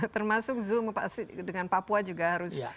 termasuk zoom dengan papua juga harus